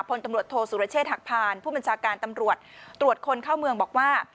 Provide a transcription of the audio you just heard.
พลตำรวจโทษสุรเชษฐหักพานผู้บัญชาการตำรวจตรวจคนเข้าเมืองบอกว่า